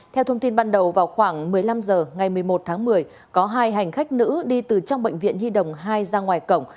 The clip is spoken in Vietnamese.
theo thông tin ban đầu vào khoảng một mươi năm h ngày một mươi một tháng một mươi có hai hành khách nữ đi từ trong bệnh viện nhi đồng hai ra ngoài cổng